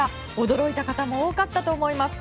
驚いた方も多かったと思います。